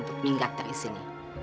untuk minggat dari sini